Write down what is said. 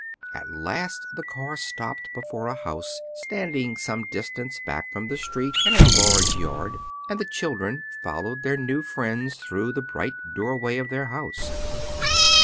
At last the car stopped before a house standing some distance back from the street in a large yard, and the children followed their new friends through the bright doorway of their house.